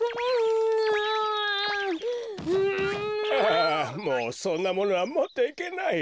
あもうそんなものはもっていけないよ。